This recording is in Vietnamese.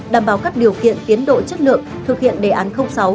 đảm bảo các điều kiện tiến độ chất lượng thực hiện đề án sáu